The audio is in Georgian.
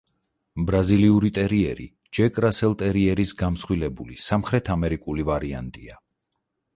ბრაზილიური ტერიერი ჯეკ რასელ ტერიერის გამსხვილებული სამხრეთამერიკული ვარიანტია.